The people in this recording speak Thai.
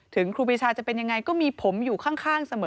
ครูปีชาจะเป็นยังไงก็มีผมอยู่ข้างเสมอ